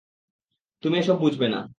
তুমি এসব বুঝবে না।